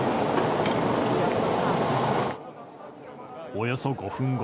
およそ５分後。